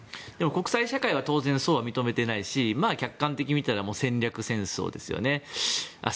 国際社会は当然そうは認めていないし客観的に見たら侵略戦争ですよね。